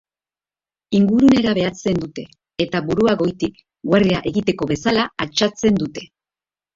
Ingurunera behatzen dute, eta burua goiti, guardia egiteko bezala altxatzen dute.